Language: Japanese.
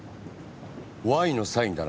「Ｙ」のサインだな。